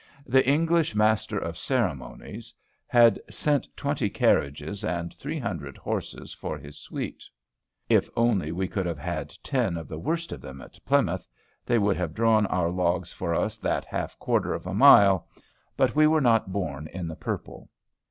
"The English Master of Ceremonies had sent twenty carriages and three hundred horses for his suite." (If only we could have ten of the worst of them at Plymouth! They would have drawn our logs for us that half quarter of a mile. But we were not born in the purple!)